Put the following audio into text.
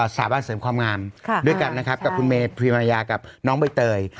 สถานบันเสริมความงามด้วยกันกับคุณเมธพรีมายากับน้องเบ้ยเตย